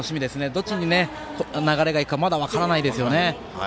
どっちに流れがいくかまだ分からないですよね。